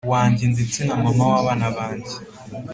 wajye ndetse mama wabana bajye”